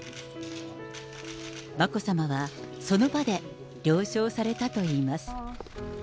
眞子さまは、その場で了承されたといいます。